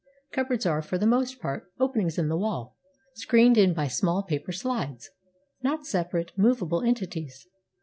Cupboards are, for the most part, openings in the wall, screened in by small paper slides — not separate, movable entities.